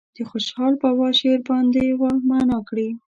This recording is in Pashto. د خوشحال بابا شعر باید معنا کړي.